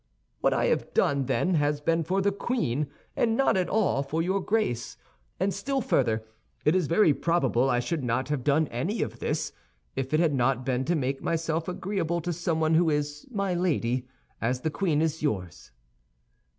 What I have done, then, has been for the queen, and not at all for your Grace. And still further, it is very probable I should not have done anything of this, if it had not been to make myself agreeable to someone who is my lady, as the queen is yours."